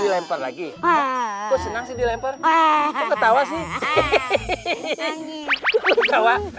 di lempar lagi senang sih di lempar ketawa sih